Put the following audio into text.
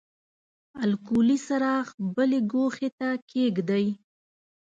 الکولي څراغ بلې ګوښې ته کیږدئ.